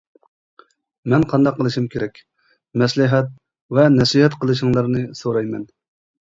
مەن قانداق قىلىشىم كېرەك؟ مەسلىھەت ۋە نەسىھەت قىلىشىڭلارنى سورايمەن؟ .